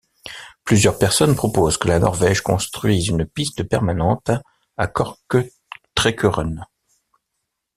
Plusieurs personnes proposent que la Norvège construisent une piste permanente à Korketrekkeren.